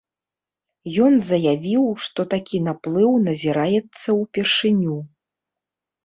Ён заявіў, што такі наплыў назіраецца ўпершыню.